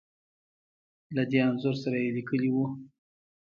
له دې انځور سره يې ليکلې وو .